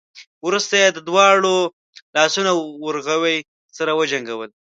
وروسته يې د دواړو لاسونو ورغوي سره وجنګول.